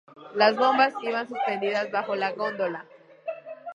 Las bombas iban suspendidas bajo la góndola.